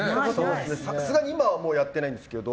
さすがに今はもうやってないんですけど